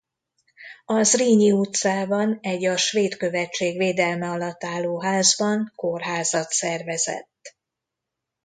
A Zrínyi utcában egy a svéd követség védelme alatt álló házban kórházat szervezett.